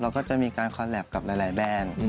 เราก็จะมีการคอลเล็บกับหลายแบน